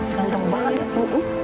ganteng banget bu